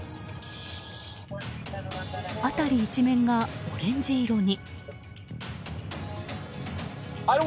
辺り一面がオレンジ色に。